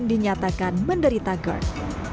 namun dinyatakan menderita gerd